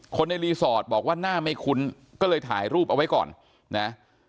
ในรีสอร์ทบอกว่าหน้าไม่คุ้นก็เลยถ่ายรูปเอาไว้ก่อนนะ